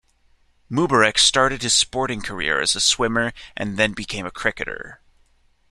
Mubarak started his sporting career as a swimmer and then became a cricketer.